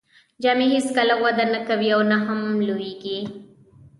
جامې هیڅکله وده نه کوي او نه هم لوییږي.